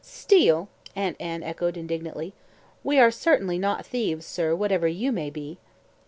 "Steal!" Aunt Anne echoed indignantly. "We are certainly not thieves, sir, whatever you may be."